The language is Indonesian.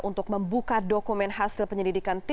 untuk membuka dokumen hasil penyelidikan tim pencari fakta